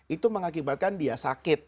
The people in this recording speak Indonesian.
itu mengakibatkan dia sakit